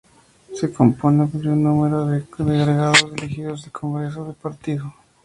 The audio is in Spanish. Se compone de un número de delegados elegidos en el Congreso del Partido.